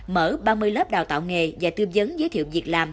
mở ba mươi lớp đào tạo nghề và tư vấn giới thiệu việc làm